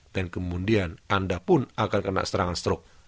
dan kemudian anda pun akan kena serangan strok